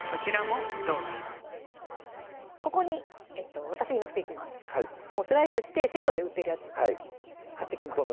もうスライスしてセットで売ってるやつ買ってきます